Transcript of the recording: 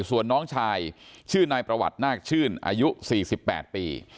ส่วนน้องชายชื่อนายประวัตินาคชื่นอายุ๔๘ปี